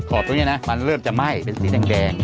ตรงนี้นะมันเริ่มจะไหม้เป็นสีแดง